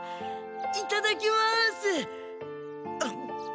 いただきます！